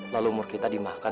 lalu umur kita dimahkan